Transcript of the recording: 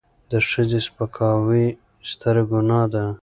د ښځې سپکاوی ستره ګناه ده.